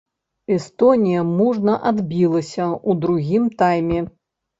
Эстонія мужна адбілася ў другім тайме.